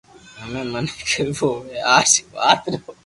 ھمي مني ڪر وہ ھي ڪي آج رات رو